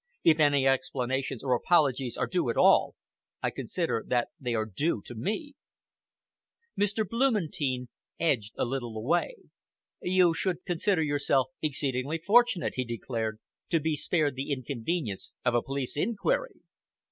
If any explanations or apologies are due at all, I consider that they are due to me." Mr. Blumentein edged a little away. "You should consider yourself exceedingly fortunate," he declared, "to be spared the inconvenience of a police inquiry.